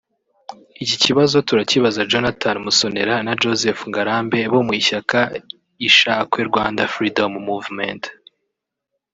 Iki kibazo turakibaza Jonathan Musonera na Joseph Ngarambe bo mu ishyaka Ishakwe Rwanda Freedom Movement